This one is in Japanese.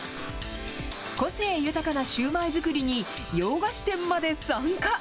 個性豊かなシューマイ作りに、洋菓子店まで参加。